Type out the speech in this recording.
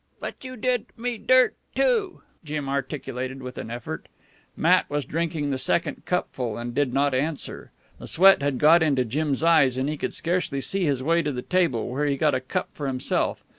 "But you did me dirt, too," Jim articulated with an effort. Matt was drinking the second cupful, and did not answer. The sweat had got into Jim's eyes, and he could scarcely see his way to the table, where he got a cup for himself.